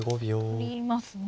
取りますね。